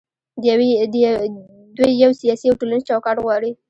دوی یو سیاسي او ټولنیز چوکاټ غواړي.